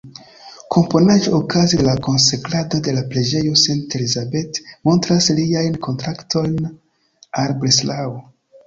Komponaĵo okaze de la konsekrado de la preĝejo St.-Elisabeth montras liajn kontaktojn al Breslau.